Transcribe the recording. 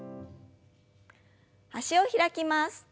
脚を開きます。